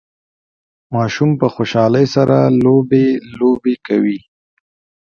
ماشوم په خوشحالۍ سره لوبي لوبې کوي